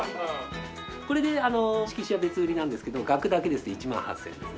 これで色紙は別売りなんですけど額だけですと１万８０００円ですね。